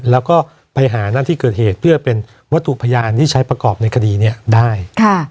แล้วก็ไปหาหน้าที่เกิดเหตุเพื่อเป็นวัตถุพยานที่ใช้ประกอบในคดีนี้ได้